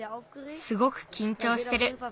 すごくきんちょうしてる。